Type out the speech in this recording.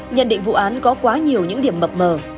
nhận định vụ án có quá nhiều những điểm mập mờ